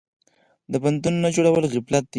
د بندونو نه جوړول غفلت دی.